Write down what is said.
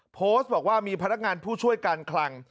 โพสต์บอกว่ามีพนักงานผู้ช่วยการคลัง